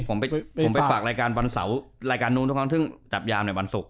ผมไปฝากรายการนู้นแต่ว่าจับยามในวันศุกร์